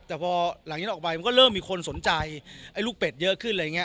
แต่พอหลังนี้ออกไปมันก็เริ่มมีคนสนใจไอ้ลูกเป็ดเยอะขึ้นอะไรอย่างนี้